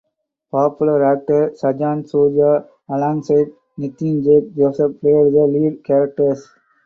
Popular actor Sajan Surya alongside Nithin Jake Joseph played the lead characters.